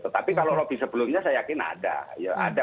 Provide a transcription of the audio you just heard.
tetapi kalau lobby sebelumnya saya yakin ada